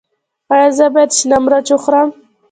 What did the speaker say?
ایا زه باید شنه مرچ وخورم؟